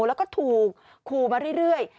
แล้วก็ถูกคู่มาเรื่อย